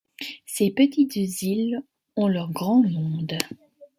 Ces petites îles ont leur grand monde.